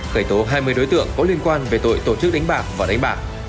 khởi tố hai mươi đối tượng có liên quan về tội tổ chức đánh bạc và đánh bạc